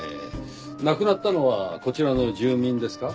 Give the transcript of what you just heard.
亡くなったのはこちらの住民ですか？